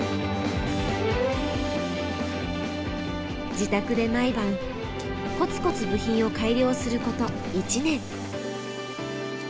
自宅で毎晩こつこつ部品を改良すること１年。